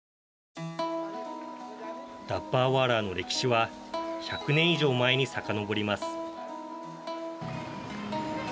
ダッバーワーラーの歴史は１００年以上前にさかのぼります。